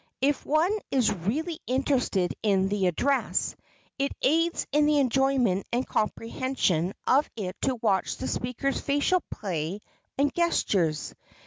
If one is really interested in the address, it aids in the enjoyment and comprehension of it to watch the speaker's facial play and gestures.